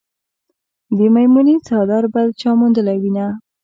د میمونې څادر به چا موندلې وينه